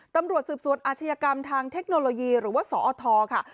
ตำรวจสืบสวนอาชญากรรมทางเทคโนโลยีหรือว่าสอทค่ะ